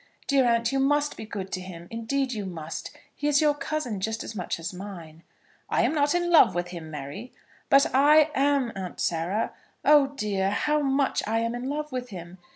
Dear aunt, you must be good to him; indeed you must. He is your cousin just as much as mine." "I'm not in love with him, Mary." "But I am, Aunt Sarah. Oh dear, how much I am in love with him!